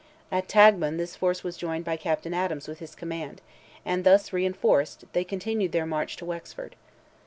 At Taghmon this force was joined by Captain Adams with his command, and thus reinforced they continued their march to Wexford.